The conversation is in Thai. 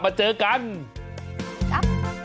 มิชุนา